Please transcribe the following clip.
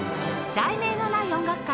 『題名のない音楽会』